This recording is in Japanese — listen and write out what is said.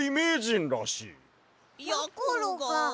やころが。